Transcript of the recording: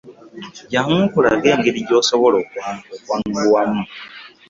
Jangu nkulage egeri gy'osobola okwanguwamu.